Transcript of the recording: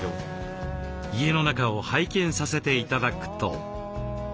家の中を拝見させて頂くと。